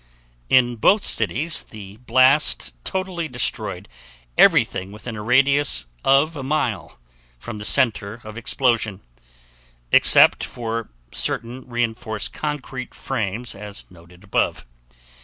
In both cities the blast totally destroyed everything within a radius of 1 mile from the center of explosion, except for certain reinforced concrete frames as noted above.